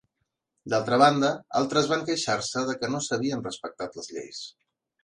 D'altra banda, altres van queixar-se de que no s'havien respectat les lleis.